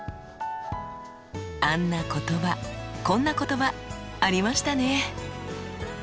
あんな言葉こんな言葉ありましたね。